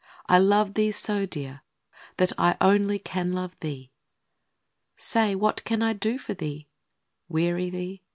I love thee so, Dear, that I only can love thee. ii. Say, what can I do for thee ?... weary thee